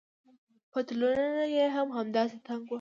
پتلونونه يې هم همداسې تنګ وو.